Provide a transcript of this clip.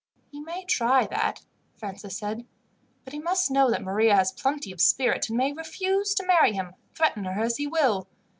"He may try that," Francis said; "but he must know that Maria has plenty of spirit, and may refuse to marry him, threaten her as he will.